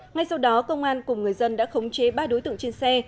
ngay sau đó công an cùng người dân đã khống chế ba đối tượng trên xe